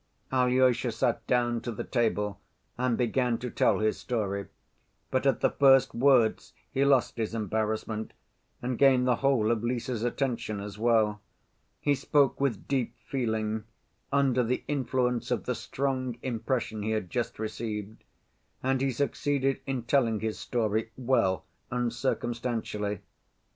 Alyosha sat down to the table and began to tell his story, but at the first words he lost his embarrassment and gained the whole of Lise's attention as well. He spoke with deep feeling, under the influence of the strong impression he had just received, and he succeeded in telling his story well and circumstantially.